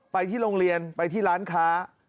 ไปที่โรงเรียนไปที่ร้านค้า